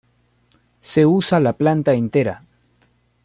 Se usa la planta entera.